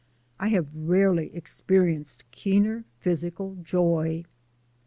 I have rarely experienced keener physical joy.